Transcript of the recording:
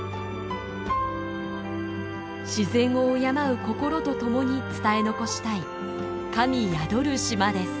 自然を敬う心と共に伝え残したい神宿る島です。